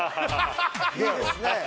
いいですね。